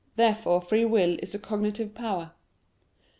Therefore free will is a cognitive power.